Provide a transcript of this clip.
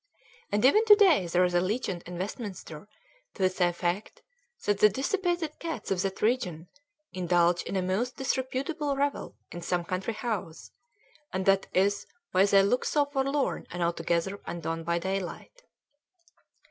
And even to day there is a legend in Westminster to the effect that the dissipated cats of that region indulge in a most disreputable revel in some country house, and that is why they look so forlorn and altogether undone by daylight.